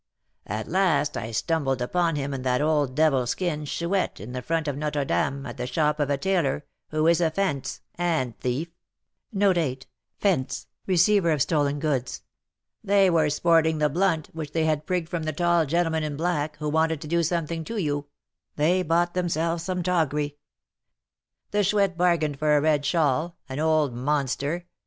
At last I stumbled upon him and that old devil's kin, Chouette, in the front of Notre Dame, at the shop of a tailor, who is a 'fence' and thief; they were 'sporting the blunt' which they had prigged from the tall gentleman in black, who wanted to do something to you; they bought themselves some toggery. The Chouette bargained for a red shawl, an old monster!